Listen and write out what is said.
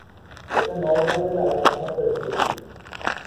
এটা নওগাঁ জেলার একমাত্র স্টেডিয়াম।